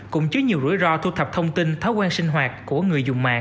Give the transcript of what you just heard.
cũng chứa nhiều rủi ro thu thập thông tin thói quen sinh hoạt của người dùng mạng